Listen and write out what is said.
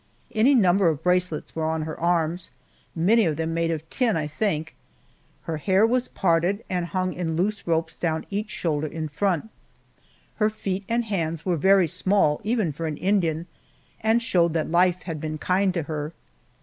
Any number of bracelets were on her arms, many of them made of tin, I think. Her hair was parted and hung in loose ropes down each shoulder in front. Her feet and hands were very small, even for an Indian, and showed that life had been kind to her.